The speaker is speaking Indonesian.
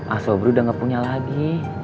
ah sobru udah gak punya lagi